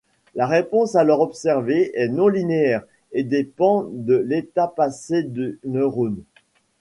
La réponse alors observée est non-linéaire et dépend de l'état passé du neurone.